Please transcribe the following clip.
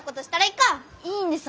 いいんです